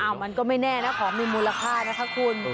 มันก็ไม่แน่นะของมีมูลค่านะคะคุณ